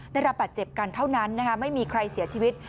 ได้รับบาดเจ็บกันเท่านั้นนะคะไม่มีใครเสียชีวิต